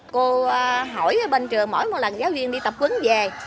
cô hỏi bên trường mỗi lần giáo viên đi tập quấn về